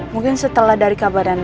mungkin setelah dari keabadan naik